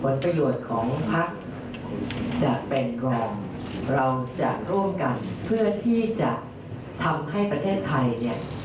ผลประโยชน์ของพักจะแปลงเราจะร่วมกันเพื่อที่จะทำให้ประเทศไทยเนี่ย